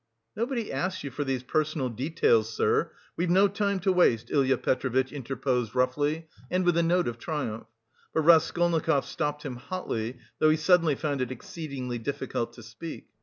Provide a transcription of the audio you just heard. "Nobody asks you for these personal details, sir, we've no time to waste," Ilya Petrovitch interposed roughly and with a note of triumph; but Raskolnikov stopped him hotly, though he suddenly found it exceedingly difficult to speak.